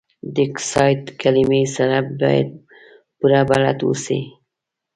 د اکسایډ کلمې سره باید پوره بلد اوسئ.